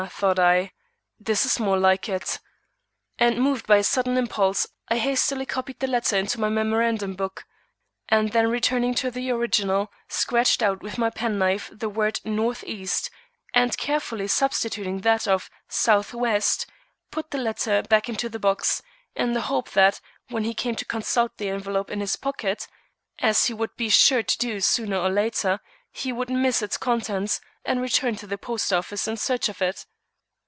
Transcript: thought I, "this is more like it." And moved by a sudden impulse, I hastily copied the letter into my memorandum book, and then returning to the original, scratched out with my penknife the word northeast and carefully substituting that of southwest put the letter back into the box, in the hope that when he came to consult the envelope in his pocket (as he would be sure to do sooner or later) he would miss its contents and return to the post office in search of it.